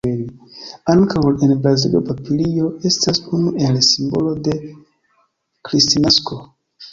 Ankaŭ en Brazilo papilio estas unu el simbolo de kristnasko.